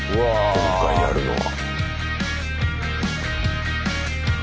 今回やるのは。